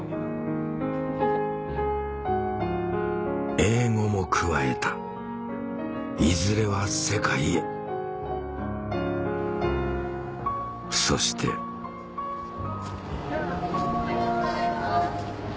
英語も加えたいずれは世界へそしておはようございます。